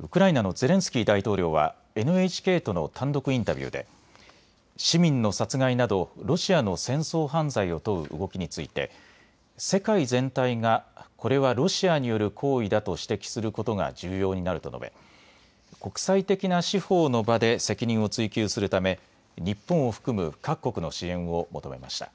ウクライナのゼレンスキー大統領はＮＨＫとの単独インタビューで市民の殺害などロシアの戦争犯罪を問う動きについて世界全体がこれはロシアによる行為だと指摘することが重要になると述べ国際的な司法の場で責任を追及するため日本を含む各国の支援を求めました。